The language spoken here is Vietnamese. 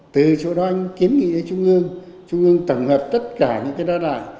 từ chỗ đó anh kiếm nghĩ cho trung ương trung ương tổng hợp tất cả những cái đó lại